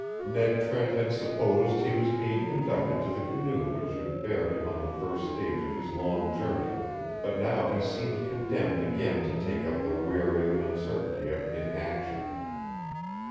Ned Trent had supposed he was being conducted to the canoe which should bear him on the first stage of his long journey, but now he seemed condemned again to take up the wearing uncertainty of inaction.